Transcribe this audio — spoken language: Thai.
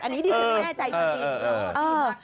อันนี้ดิถึงแม่ใจจริง